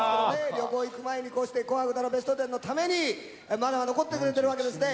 旅行行く前にこうして『紅白歌のベストテン』のためにまだ残ってくれてるわけですね